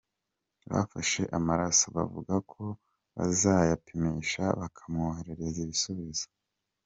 Bafashe amaraso, bavuga ko bazayapimisha, bakamwoherereza ibisubizo.